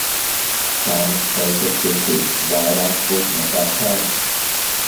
Tam šeit ir tiesības vairāk būt nekā tev.